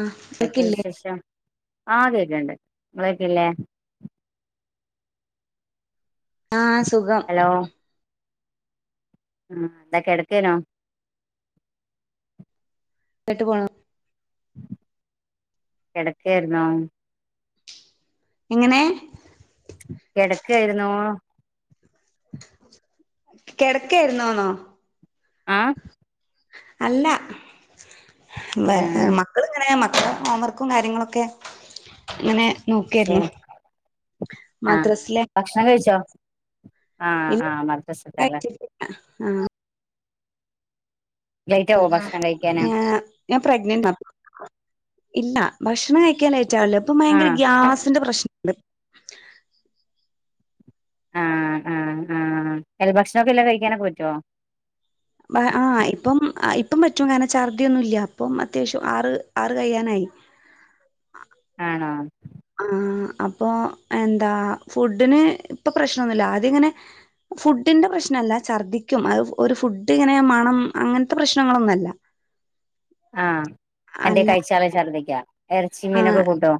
ആ [unintelligible] ക്കില്ലേ ആ കേക്ക്‌ണ്ട് ഇങ്ങൾ കേക്ക്‌ല്ലെ ആ സുഖം ആ എന്താ കിടക്കെനോ കാട്ട് പോണു കെടക്കായാര്ന്നോ എങ്ങനെ കെടക്കുകയായിരുന്നോ കെടക്കായിരുന്നോന്നോ ആ അല്ല മഹ് ഏഹ് മക്കളിങ്ങനെ മ- ഹോംവർക്കും കാര്യങ്ങളൊക്കെ ഇങ്ങനെ ച്ചെ നോക്കിയായിരുന്നു ആ മദ്രസിലെ ഭക്ഷണം കഴിച്ചോ ആ ഇല്ല ആഹ് മദ്രസത്തെ അല്ലേ കഴിച്ചിട്ട് ലേറ്റ് ആവോ ഭക്ഷണം കഴിക്കാന് ഞാൻ പ്രെഗ്നന്റാ ഇല്ല ഭക്ഷണം കഴിക്കാനായി ചിലപ്പോ ഭയങ്കര ആഹ് ഗ്യാസിന്റെ പ്രശ്നം ആഹ് ആഹ് ആഹ് ഇല്ല ഭക്ഷണൊക്കെ എല്ലാം കഴിക്കാനൊക്കെ പറ്റോ പ്പം പറ്റും കാരണം ഛർദിയൊന്നുംല്ല അപ്പം അത്യാവശ്യം ആറ് ആറ് കഴ്യാനായി ആണോ ആ.. അപ്പൊ എന്താ ഫുഡിന് ഇപ്പൊ പ്രശ്നമൊന്നുമില്ല അതിങ്ങനെ ഫുഡിന്റെ പ്രശ്നല്ല ഛർദിക്കും അത് ഒരു ഫുഡ് ഇങ്ങനെ മണം അങ്ങനത്തെ പ്രശ്നങ്ങളൊന്നുംല്ല. ആ എന്തെ കഴിച്ചാല് ഛർദ്ദിക്കാ ഇറച്ചി ആ മീനൊക്കെ കൂട്ടോ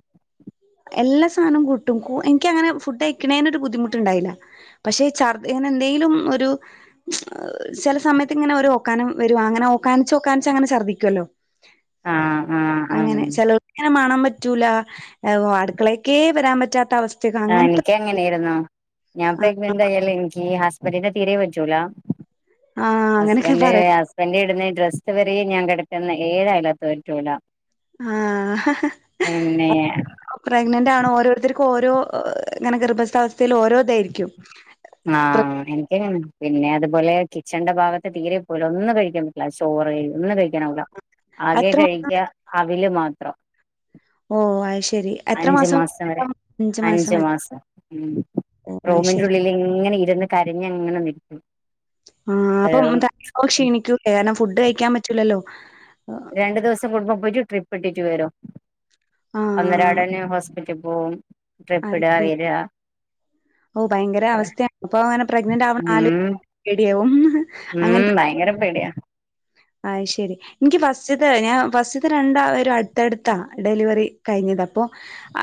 എല്ലാ സാധനം കൂട്ടുംപോൾ എനിക്ക് അങ്ങനെ ഫുഡ് കയി ക്കണേന് ഒരു ബുദ്ധിമുട്ടുണ്ടായില്ല പക്ഷെ ഇ ഛർദി ഇങ്ങനെ എന്തെങ്കിലും ഒരു ചില സമയത്ത് ഇങ്ങനെ ഒരു ഓക്കാനം വരുവാ അങ്ങനെ ഓക്കാനിച്ച് ഓക്കാനിച്ച് അങ്ങനെ ഛർദ്ദിക്കുവല്ലോ ആഹ് ആഹ് ആഹ് അങ്ങനെ ചെലോർക്കിങ്ങനെ മണൊ പറ്റൂല്ല അടുക്കളക്കെ വരാൻ പറ്റാത്ത അവസ് ആ എനിക്ക് അങ്ങനെയായിരുന്നു ഞാൻ ആ പ്രെഗ്നന്റ് ആയാലെ ഇൻക്ക് ഗ്യാ വെളിയിലെ തീരെ വച്ചുലാ ആ അങ്ങനെയൊക്കെ ഹസ്ബൻഡ്.. പറയും ഹസ്ബൻഡ് ഇടുന്ന.. [unintelligible] ഞാൻ കിടക്കുന്ന ഏഴായാലത്ത് പറ്റൂല ആഹ് പിന്നെ പ്രെഗ്നന്റ് ആണോ ഓരോരുത്തൊരും ഓരോ ഇങ്ങനെ ഗർഭസ്ഥ അവസ്ഥയിൽ ഓരോതായിരിക്കും ആഹ്.. എനിക്ക് അങ്ങനെ.. പിന്നെ അതുപോലെ കിച്ചൺന്റെ ഭാഗത്ത് തീരെ പോവൂല ഒന്നും കഴിക്കാൻ പറ്റില്ല ചോറ് ഒന്നും കഴിക്കാനാവുല ആകെ അത്ര മാസം വരെ? കഴിക്കാ അവില് മാ ത്രം ഓ അതുശെരി. എത്ര മാസം [inaudible] അഞ്ച് മാസം അഞ്ചു ഉം ഓ റൂമിന്റെ ശെരി ഉള്ളിൽ അങ്ങനെ ഇര്ന്ന് കരഞ്ഞങ്ങനെ നിക്കും ആ അപ്പോ [inaudible] ഫുഡ്‌ കഴിക്കാൻ പറ്റില്ലാലോ രണ്ട് ദിവസം [unintelligible] ട്രിപ്പ് ഇട്ടിട്ട് വരും ആ ഒന്നരാടന്നെ ഹോസ്പിറ്റല്ല് പോകും [unintelligible] ഓ ഭയങ്കര അവസ്ഥയാ അപ്പൊ അങ്ങനെ പ്രഗ്നന്റ് ആവ്ണ ഉം [unintelligible] ഉം അങ്ങൻത്തെ ഭയങ്കര പേടിയാ അത് ശരി എനിക്ക് ഫസ്റ്റ് ത്തെ ഞാൻ ഫസ്റ്റ് ത്തെ രണ്ട വരു അടുത്തടുത്താ ഡെലിവറി കഴിഞ്ഞത് അപ്പൊ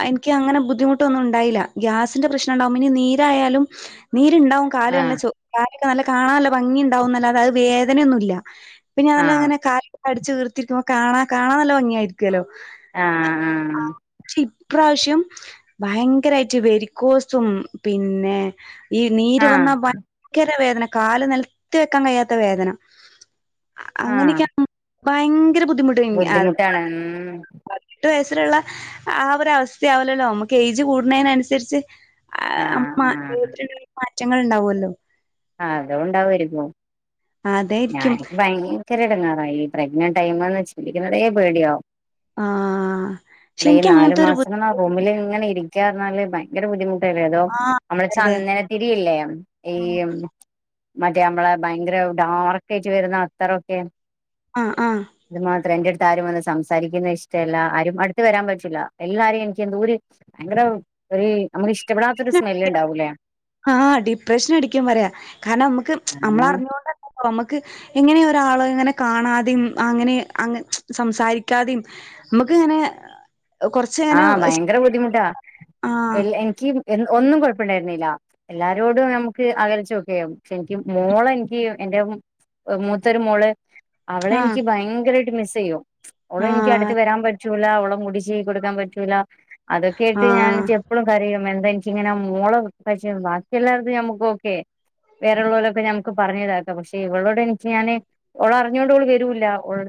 എനിക്ക് അങ്ങനെ ബുദ്ധിമുട്ടൊന്നും ഉണ്ടായില്ല ഗ്യാസിന്റെ പ്രശ്നം ഉണ്ടാവും ഇനി നീരായാലും നി ഉണ്ടാവും കാല് നല്ല ആഹ് ച [unintelligible] നല്ല കാണല്ല ഭംഗി ഉണ്ടാവുംന്നല്ല അത് വേഗം അങ്ങനെയൊന്നുമല്ല പിന്നെ അതെല്ലാ ആഹ് അങ്ങനെ കാ അടിച്ചുതീർത്തിരിക്കുമ്പോ കാണാ കാണാ നല്ല ഭംഗിയായിരിക്കുവല്ല ആഹ ആഹ ഇപ്രാവശ്യം ഭയങ്കരായിട്ട് വെരിക്കോസും പിന്നെ ഈ ആഹ് നീര് ആഹ് വന്നാ ഭയങ്കര വേദന കാല് നെലത്തു വെക്കാൻ കഴിയാത്ത വേദന ആഹ് അങ്ങനൊക്കെയ [inaudible] ഭയങ്ങ് കോരു ബുദ്ധിമുട്ട് ബുദ്ധിമുട്ടാണ് ഉം [unintelligible] [unintelligible] ആ ഒരു അവസ്ഥയാവില്ലല്ലോ നമുക്ക് ഏജ് കൂടുന്നേനനുസരിച്ച് ആഹ് ങ്ങൾ ഉണ്ടാവുല്ലോ ആ [unintelligible] അതായിരിക്കും ങ്ങാറായിത്രെ പ്രഗ്നന്റ് ടൈമന്ന് ചിന്തിക്കുന്നതെ പേടിയാ ആഹ് പക്ഷെ അത് ഈ എനിക്ക് നാലു അങ്ങനത്തെ ഒരു മാസങ്ങള ആ ബുദ്ധിമുട്ട് റൂമില് ഇങ്ങനെ ഇരി [unintelligible] ഭയങ്കര ബുദ്ധിമു [unintelligible] ആഹ് നമ്മളെ അതെ ചന്ദന തിരിയില്ലേ ഈ മറ്റേ അമ്മളെ ഭയങ്കര ഡാർക്ക് ആയിട്ട് വരുന്ന അത്തറൊക്കെ ആഹ് ആഹ് അത് മാത്രം എന്റെ രും വന്ന് സംസാരിക്കുന്ന ഇഷ്ടമല്ല ആരും അടുത്ത് വരാൻ പറ്റില്ല എല്ലാരെയും എനിക്ക് എന്തൂര് ഭയങ്കര ഒരു നമുക്ക് ഇഷ് ഇഷ്ടപ്പെടാത്തൊരു സ്മെല് ഉണ്ടാവൂല്ലേ ആഹ് ഡിപ്രഷൻ അടിക്കും വരെയാ കാരണം നമക്ക് ആ നമ്മളറിഞ്ഞൊണ്ടല്ലല്ലോ നമ്മക്ക് ഇങ്ങ ങ്ങനെ ഒരാളെ ഇങ്ങനെ കാണാതെയും അങ്ങനെ അങ്ങ് സംസാരിക്കാതെയും നമുക്ക് ഇങ്ങനെ കൊറച്ച് ഇങ്ങനെ ആഹ് ഭയങ്കര ബുദ്ധിമുട്ടാ ആഹ് എനി എനിക്ക് എ ഒന്നും കൊഴ ണ്ടായിരുന്നില്ല എല്ലാരോടും നമുക്ക് അകൽച്ച ഒക്കെ ആകും പക്ഷെ എനിക്ക് മോള എനിക്ക് എന്റെ മൂത്തൊരു മോള് അവളെ ആഹ് എനിക്ക് ഭയങ്കരായിട്ട് മിസ് ചെയ്യും അവള എനിക്ക് അടുത്ത് ആഹ് വരാൻ പറ്റൂല അവളെ മുടി ചീ കൊടുക്കാൻ പറ്റൂലാ അതൊക്കെയായിട്ട് ഞാൻ ആഹ് എണീച്ച് എപ്പളും കര എന്താ എനിക്ക് ഇങ്ങനെ മോള പക്ഷെ ബാക്കി എല്ലാവർതും ഞമ്മുക്ക് ഓക്കേ വേറഉള്ളോരൊക്കെ ഞമുക്ക് പറഞ്ഞതാക്കാം പക്ഷേ ഇവളോട് എനിക്ക് ഞാൻ ഒള അറിഞ്ഞോണ്ട്ഓ ള് വരൂല്ല അ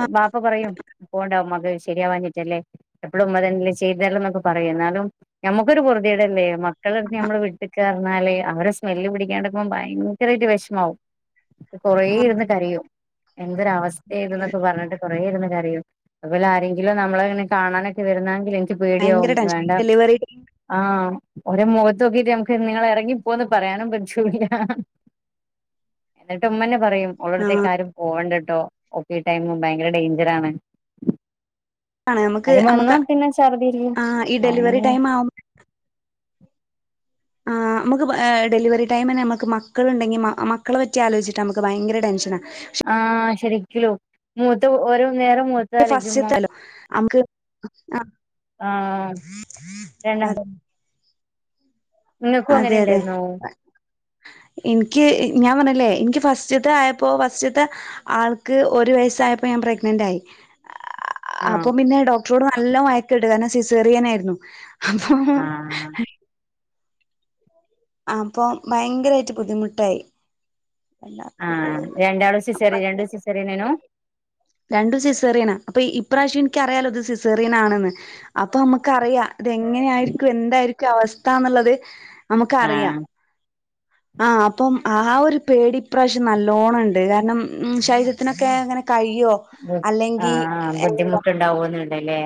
ആഹ് ബാപ്പ പറയും അ പോണ്ടാവും മക ശരിയാവാഞ്ഞിട്ടല്ലേ എപ്പഴും അതന്നല് [unintelligible] ചെയ്തു തരില്ല എന്നൊക്കെ പറയും എന്നാലും നമുക്കൊരു [unintelligible] പറുതേടല്ലേ മക്കളെടു നമ്മൾ വിട്ട്ക്ക എന്നാല് അവരെ സ്മെല്ല് പിടിക്കാണ്ടുപ്പൊ ഭയങ്കരായിട്ട് വിഷമാവും കൊറെ ആഹ് ഇരുന്ന് കരയും എന്തൊരവസ്ഥ ഇത് ശരി ന്നൊക്കെ പറഞ്ഞിട്ട് കൊറെേ ഇരുന്ന് റിയും അപ്പോലെ ആരെങ്കിലും നമ്മളങ്ങനെ കാണാനൊക്കെ വരുന്നാങ്കിൽ ന്ക പേടിയാവും ഭയങ്കര ടെൻഷൻ ഈ വേണ്ട ഡെലിവറി ടൈം ആ ഒരു മോൻ [unintelligible] ഇപ്പൊ ഒന്ന് പറയാനും പറ്റൂല [inaudible] ആ എന്നിട്ട് ഉമ്മനെ പറയും ആഹ് ഓളെടത്തേക്കാരും പോകണ്ട ട്ടോ ഓക്ക് ഈ ടൈം ഭയങ്കര ഡേഞ്ചറാണ് ആണ നമുക്ക് ആദ്യം വന്നാ നമുക്ക് പിന്നെ ഛർദിയിരിക്കും ആ ഈ ഡെലിവറി ഭയ ടൈം ആവുമ്പോ ആ നമ്ക്ക് ഡെലിവറി ടൈം ൻ നമുക്ക് മക്കളുണ്ടെങ്കി മക്കളെ പറ്റി ആലോചിട്ടാ നമുക്ക് ഭയങ്കര ടെൻഷനാ ആ ശരിക്കലൂ മൂത്ത ഓരോ ഫസ്റ്റ്ത്തല്ലോ നമക്ക് ആ ആഹ് രണ്ട നിങ്ങക്കും അതെ അങ്ങനെ അതെ ഉണ്ടായിരുന്നോ എനിക്ക് ഞാൻ പറഞ്ഞില്ലേ എനിക്ക് ഫസ്റ്റ്ത്തെ ആയപ്പോ ഫസ്റ്റ്ത്തെ ആൾക്ക് ഒരു വയസ്സായപ്പോ ഞാൻ പ്രഗ്നന്റ് ആയി ആഹ് അപ്പം പിന്നെ ഡോക്ടറോട് നല്ല മയക്ക്ണ്ട് കാരണം സിസേറിയനായിരുന്നു ആഹ് [unintelligible] ആ അപ്പൊ ഭയങ്കരമായിട്ട് ബുദ്ധിമുട്ടായി വല്ലാത്തൊരു ആഹ കോളന്നെ രണ്ടാളും സിസേറിയൻ രണ്ടും സിസേറിനനു [inaudible] അപ്രാവശ്യം എനിക്ക അറിയാലോ ഇത് സിസേറിയൻ ആണെന്ന് അപ്പൊ നമുക്കറിയാം അതെങ്ങനെയ ആയിരിക്കും എന്തായിരിക്കും അവസ്ഥന്നുള്ളത് നമുക്കറിയാം ആഹ് ആ് അപ്പം ആ ഒരു പേടിപ്രാവശ്യം നല്ലോണം ഉണ്ട് കാരണം ഉ ശരീരത്തിനൊക്കെ അങ്ങനെ കഴിയോ അല്ലെങ്കിൽ എന്താ അല്ലെ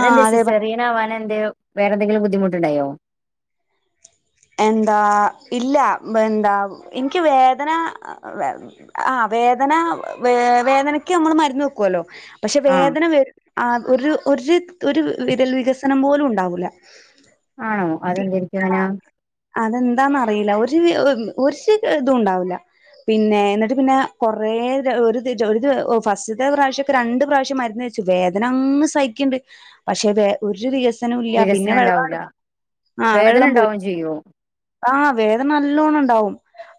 ആഹ് അതെ സിസെറിയനാവനെന്തേ വേറെ എന്തെങ്കിലും ബുദ്ധിമു [unintelligible] എന്താ? ഇല്ല ബെന്താ ൻക്ക് വേദന ആ വേദന വേദനക്ക് അമ്മള് മരുന്ന് വെക്കുല്ലോ പക്ഷെ ആഹ് വേദന വരു അഹ് ഒരു ഒരു ഒരു വിരൽ വികസനം പോലും ഉണ്ടാവൂല ആണോ പിന്നെ അതെന്തായിരിക്കും അങ്ങന. അതെന്താന്നറിയില്ല ഒരു ഒരു ഇതുംണ്ടാവില്ല പിന്നെ എന്നിട്ട് പിന്നെ കൊറേ രു ഒരു ദി ഒരു ദി ഫസ്റ്റ്ത്തെ പ്രാവശ്യം ഒക്കെ രണ്ട് പ്രാവശ്യം മരുന്ന് വെച്ചു വേദന അങ്ങ് സഹിക്ക്ണ്ട് പക്ഷെ വേ ഒരു വികസ ല്ല പിന്നെ വികസനം വെള്ളങ്ട് ഉണ്ടാവൂല ആ വേദന വെള്ളം പോയി. ഉണ്ടാവും ചെയ്യോ ആഹ് വേദന നല്ലോണം ഉണ്ടാവും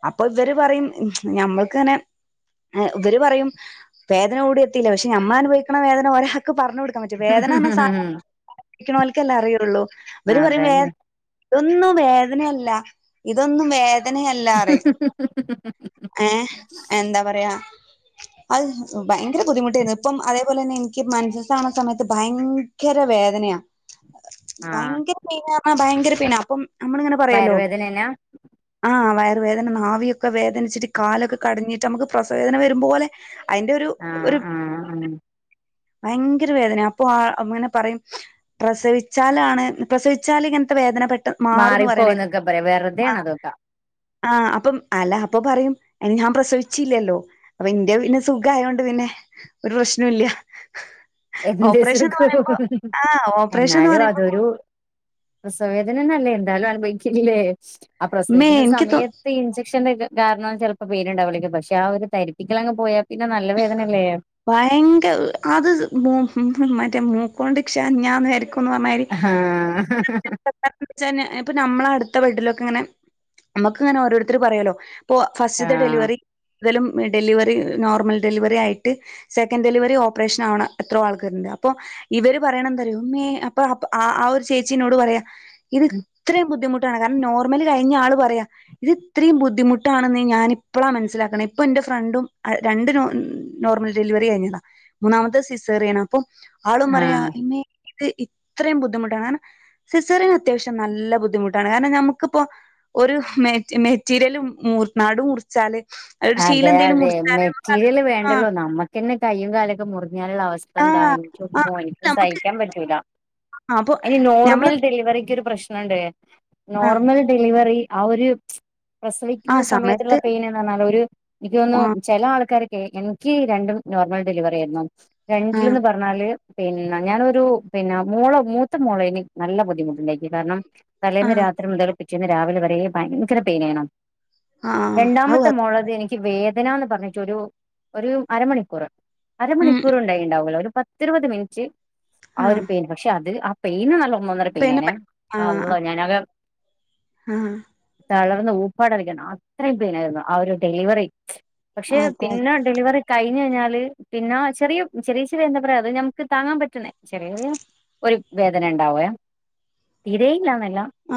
അപ്പൊ ഇവര് പറയും ഞമ്മൾക്ക് ങ്ങനെ ഇവര് പറയും വേദന എവിടെയും എത്തിയില്ല പക്ഷെ ഞമ്മൾ അനുഭവിക്കണ വേദന ഒര പറഞ്ഞു കൊടുക്കാൻ പറ്റും വേദനന്ന സാ [unintelligible] അറിയുള്ളു ആ അതെന്നെ ഒന്ന് വേ- അങ്ങനെല്ല ഇതൊന്നും വേ [unintelligible] അറിം ഏഹ് എന്താ പറയാ അത് ഭയങ്കര ബുദ്ധിമുട്ടായിരുന്നു ഇപ്പം അതേപോലെ തന്നെ എനിക്ക് മെൻസസ്സാവണ സമയത്ത് ഭയങ്കര വേദനയാ. ആഹ് ഭയങ്കര പെയ്നാ ആ ഭയങ്കര പൈൻ ആ അപ്പം നമ്മള് പറയല്ലോ വയറുവേദനേനാ ആ വേദന നാവിയൊക്കെ വേദനിച്ചിട്ട് കാലൊക്കെ കടഞ്ഞിട്ട് നമുക്ക് പ്രസവേദന വരുമ്പോലെ അയിന്റെ ഒരു ആഹ് ഒരു ആഹ് ആഹ് ഭയങ്കര വേദന അപ്പൊ ആ അങ്ങനെ പറയും പ്രസവിച്ചാലാണ് പ്രസവിച്ചാലിങ്ങനത്ത വേദന പറ്റ് മാറിപ്പോവും ന്നൊക്കെ പറയും വെറുതെയാണ് അതൊക്കെ ആഹ് അപ്പം അല്ല അപ്പൊ പറയും ഞാൻ പ്രസവിച്ചീല്ലല്ലോ അപ്പൊ ഇന്റെ പിന്നെ സുഖായൊണ്ട് പിന്നെ ഒരു പ്രശ്നോയില്ല [unintelligible] ആഹ് ഓപ്പറേഷൻന്ന് എന്നാലും പറയുമ്പോ അതൊരു പ്രസവ വേ അതിനന്നല്ലേ എന്തായാലും അനുഭവിക്യല്ലേ ആ മ്മേ പ്രസവിക്കുന്ന എനിക്ക് തോ സമയത്ത് ഇഞ്ചക്ഷന്റെക്കെ കാരണം ചെല് പ്പോ പെയ്നിണ്ടാവില്ലിൻക്ക് പക്ഷെ ആ ഒരു തരിപ്പിക്കലങ്ങ് പോയാ പിന്നെ നല്ല വേദനല്ലേ ഭയങ്കര അത് മോ ഉം മറ്റേ മൂക്കോണ്ട് ക്ഷാ ഞാന്ന് വ ക്കും പറഞ്ഞായിരി ആഹ് [unintelligible] ചന്നെ ഇപ്പോ നമ്മളട് ത്ത ബെഡി ലൊക്കെ ങ്ങനെ നമുക്ക് ങ്ങനെ ഓരോര്ത്തര് പറയോലോ ഓ ഫസ്റ്റത്തെ ആഹ് ഡെലിവറി ഇതലും ഡെലിവറി നോർമൽ ഡെലിവറി ആയിട്ട് സെക്കൻഡ് ഡെലിവറി ഓപ്പറേഷൻ ആവണ എത്രോ ആൾക്കാരുണ്ട് അപ്പൊ ഇവര് പറയണത് എന്തറിയോ ഇമ്മേ അപ്പാ അപ്പൊ ആ ഒരു ചേച്ചി എന്നോട് പറയാ ഇത് ഇത്രയും ബുദ്ധിമുട്ട് കാരണം നോർമല് കഴിഞ്ഞ ആൾ പറയാ ഇത് ഇത്രയും ബുദ്ധിമുട്ടാണെന്ന് ഞാന് ഇപ്പഴാ മനസ്സിലാക്കണേ ഇപ്പൊ എന്റെ ഫ്രണ്ടും രണ്ടും നോർമൽ ഡെലിവറി കഴിഞ്ഞതാ മൂന്നാമത്തെ സീസേറിയാണ് അപ്പൊ ആളും ആഹ് പറയാ ഇന്നേ ഇത് ഇത്രയും ബുദ്ധിമുട്ടാണ് കാരണം സിസേറിയൻ അത്യാവശ്യം നല്ല ബുദ്ധിമുട്ടാണ് കാരണം നമ്മുക്കിപ്പോൊ ഒരു മെറ്റീരിയലിപ്പൊ നടു മുറിച്ചാല് ഒരു ശീല അതെ എന്തേലും അതെ മുറിച്ചാല് നമുക്കത് മെറ്റീരിയൽ ആഹ് വേണ്ടല്ലോ നമ്മുക്കെന്നെ കയ്യും കാലൊക്കെ മുറിഞ്ഞാലുള്ള അവസ്ഥ ഇതെന്താ ആഹ് എനി ആഹ് [unintelligible] എനിക്ക് നമുക്ക് സയിക്കാൻ പറ്റൂല അപ്പൊ അയ്ന് ഞമ്മള് നോർമൽ ഡെലിവറിക്ക് ഒരു പ്രശ്നുണ്ട് ആഹ് നോർമൽ ഡെലിവറി ആ ഒരു പ്രസവിക്കുന്ന ആഹ് സമയത്തുള്ള സമയത്ത് പെയിൻ എന്ന് പറഞ്ഞാൽ ഒരു എനിക്ക് ആഹ് തോന്നുന്നു ചില ആൾക്കാ ക്കെ എനിക്ക് രണ്ടും നോർമൽ ഡെലിവറി ആയിരുന്നു ആഹ് രണ്ടില്ന്ന് പറഞ്ഞാല് പിന്നെ ഞാനൊരു പിന്നെ മോളെ മൂത്ത മോളെ ഇനി നല്ല ബുദ്ധിമുട്ടുണ്ടായിരുന്നു കാരണം തലേന്ന് ആഹ് രാത്രി മുതൽ പിറ്റേന്ന് രാവിലെ വരെ ഭയങ്കര പെയിനായിനു ആഹ് അവു രണ്ടാമത്തെ അത് മോളത് എനി വേദനാന്ന് പറഞ്ഞിട്ടൊരു ഒരു അരമണിക്കൂറ് ഉം അരമണിക്കൂർ ഉണ്ടായി ഉണ്ടാവൂല്ലോ ഒരു പത്തിരുപത് മിനിറ്റ് ആഹ് അവര് പെയിൻ പക്ഷെ അത് പെയിന് പിന്നെ ആഹ് ആഹ് [unintelligible] [unintelligible] ഉപ്പാടായിക്കണം അത്രയും പെനായിരുന്നു ആ ഒരു ഡെലിവറി [inaudible] പക്ഷെ അതെ അതെ പിന്നെ ഡെലിവറി കഴി ക കഴിഞ്ഞാല് പിന്നെ ചെറിയ ചെറിയ ചെറിയ എന്താ പറയാ അ നമക്ക് താങ്ങാൻ പറ്റണേ ചെറിയ ചെിയ ഒരു വേദന ഉണ്ടാവ തീരെല്ല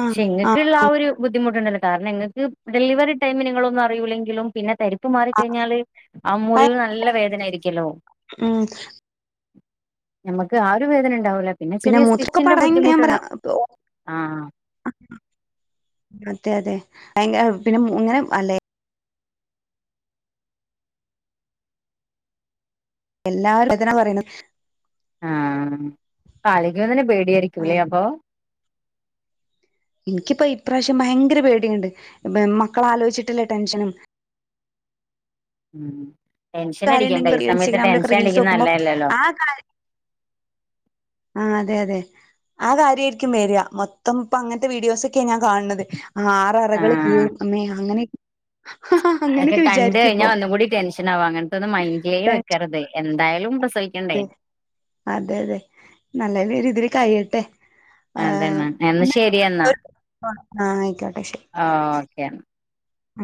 ആഹ് ആഹ് എങ്ങൾക്കുള്ള ആ ആഹ് ഒരു ബുദ്ധിമുട്ട് കാരണംങ്ങൾക്ക് ഡെലിവറി ടൈമ നിങ്ങളൊന്നും അറിയിൂല്ലെങ്കിലും പിന്നെ [unintelligible] [unintelligible] മാറിക്കഴിഞ്ഞാല് ആ ഭയ മുറിവ് നല്ല വേദന ആയിരിക്കല്ലോ ഉം ഞമ്മക്ക് ആ ഒരു വേദന ഉണ്ടാവൂല പിന്നെ ചെറിയ മൂത്രക്കെ [inaudible] സ്റ്റിച്ചിന്റെ പറ ബുദ്ധിമുട്ടുണ്ടാവും ആഹ് മറ്റേതെ ഭയങ്കര പിന്നെ ഇങ്ങനെ അല്ലേ എല്ലാരും എതിനാ പറയണ ആഹ പാലക്ക് വന്നന്നെ പേടിയായിരിക്കുംല്ലേ ആഹ് അപ്പൊ എനിക്കിപ്പോ ഇപ്രാവശ്യം ഭയങ്കര പേടിയുണ്ട് മക്കള ആലോചിച്ചിട്ടില്ലേ ടെൻഷനും ഉം ടെൻഷൻ കാര്യം അടിക്കണ്ട ഈ ഉണ്ടെങ്കിൽ സമയത്ത് ഇൻസ്റ്റാഗ്രാമിലൊക്കെ ടെൻഷൻ റീൽസ് നോക്കുമ്പോ അടിക്കുന്നല്ലല്ലല്ലോ ആ കാര്യം ആ അതെ അതെ ആ കാര്യമായിരിക്കും വരിയാ മൊത്തം ഇപ്പ അങ്ങനത്തെ വീഡിയോസ ഒക്കെയ ഞാൻ കാണുന്നത് ആ ആറ അറകൾ ആഹ് കീന്നെ അങ്ങനെ അതൊക്കെ അങ്ങനെയൊക്കെ കണ്ട വിചാരിക്കും ഇപ്പൊ കഴിഞ്ഞാൽ ഒന്നും കൂടി ടെൻഷൻ ആവാ അങ്ങനത്തെ ഒന്നും മൈൻഡിലേും വെക്കരുത് എന്തായാ [unintelligible] അ അതെ അതെ നല്ല പേര് ഇതി കയട്ടെ അതെന്നാ എന്ന ശരി എന്നാ ആ ഓ [unintelligible] ആ